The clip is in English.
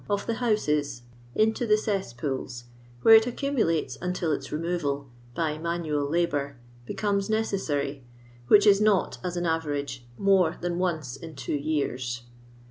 of the houses into the cesspools, where it accumulates until its remoTal (by manual labour) becomes necessary, which is not, as an BTemge, more than once in two years.